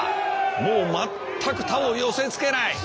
もう全く他を寄せつけない。